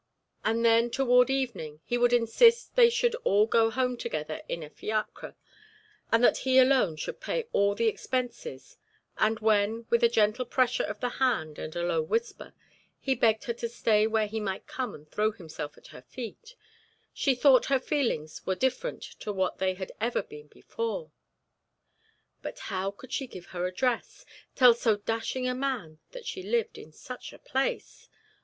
And then, toward evening, he would insist they should all go home together in a fiacre, and that he alone should pay all the expenses, and when, with a gentle pressure of the hand and a low whisper, he begged her to say where he might come and throw himself at her feet, she thought her feelings were different to what they had ever been before. But how could she give her address tell so dashing a man that she lived in such a place?